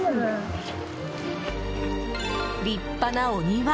立派なお庭。